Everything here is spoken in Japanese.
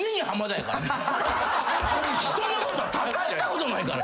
俺人のことたたいたことないから。